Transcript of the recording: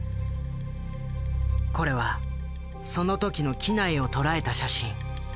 これはその時の機内を捉えた写真。